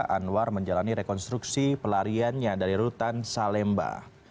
anwar menjalani rekonstruksi pelariannya dari rutan salemba